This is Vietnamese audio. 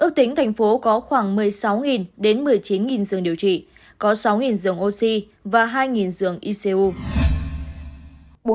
ước tính tp hcm có khoảng một mươi sáu một mươi chín giường điều trị có sáu giường oxy và hai giường icu